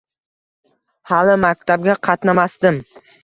Hali maktabga qatnamasdim.